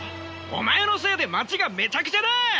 お前のせいで街がめちゃくちゃだ！